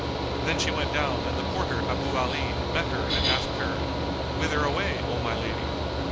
Then she went down and the porter Abu Ali met her and asked her, "Whither away, O my lady?"